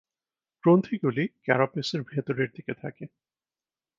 গ্রন্থিগুলি ক্যারাপেসের ভেতরের দিকে থাকে।